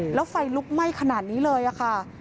แล้วไฟลุกไหม้ขนาดนี้เลยค่ะ